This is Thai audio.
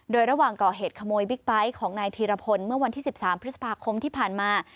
โดยระหว่างก่อเหตุขโมยบิ๊กไบท์ของนายธีรพลเมื่อวันที่๑๓พฤษภาคมที่ผ่านมา